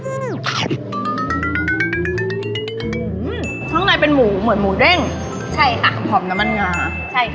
ข้างในเป็นหมูเหมือนหมูเด้งใช่ค่ะหอมน้ำมันงาใช่ค่ะ